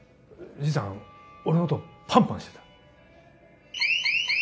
じいさん俺のことパンパンしてた。